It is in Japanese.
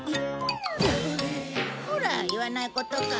ほら言わないことか。